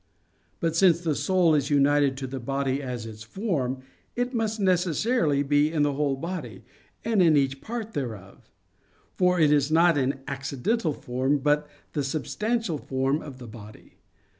But since the soul is united to the body as its form, it must necessarily be in the whole body, and in each part thereof. For it is not an accidental form, but the substantial form of the body.